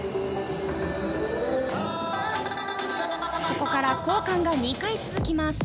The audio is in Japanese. ここから交換が２回続きます。